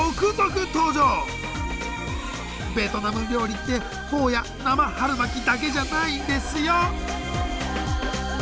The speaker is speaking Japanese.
ベトナム料理ってフォーや生春巻きだけじゃないんですよ。